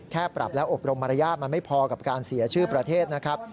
แค่ปรับและอบรมมารยาทมันไม่พอกับการเสียชื่อประเทศนะครับ